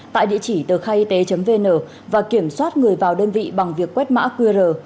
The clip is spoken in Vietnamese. tại địa chỉ tờ khai y tế vn và kiểm soát người vào đơn vị bằng việc quét mã qr